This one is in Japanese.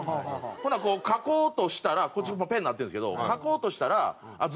ほんならこう書こうとしたらこっちペンになってるんですけど書こうとしたらあっ